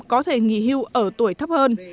có thể nghỉ hưu ở tuổi thấp hơn